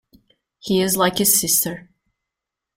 He is like his sister.